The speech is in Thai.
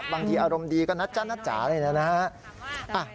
บางทีอารมณ์ดีก็นะจ๊ะนะจ๊ะเลยนะครับ